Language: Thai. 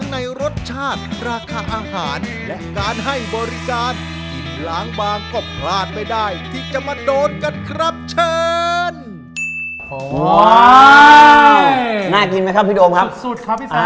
น่ากินไหมครับพี่โดมครับสุดครับพี่ศักดิ์